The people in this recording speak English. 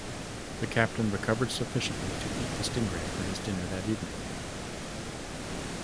The Captain recovered sufficiently to eat the stingray for his dinner that evening.